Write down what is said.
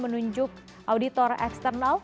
menunjuk auditor ekstrem